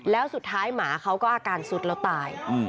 แล้วสุดท้ายหมาเขาก็อาการสุดแล้วตาย